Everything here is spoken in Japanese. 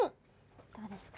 どうですか？